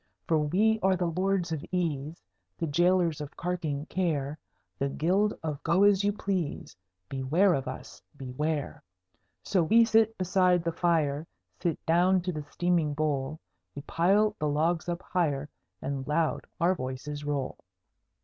For we are the Lords of Ease, The gaolers of carking Care, The Guild of Go as you Please! Beware of us, beware! So we beside the fire Sit down to the steaming bowl; We pile the logs up higher, And loud our voices roll.